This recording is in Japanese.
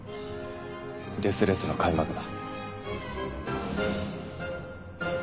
デスレースの開幕だ。